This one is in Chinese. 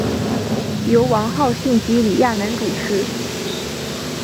由王浩信及李亚男主持。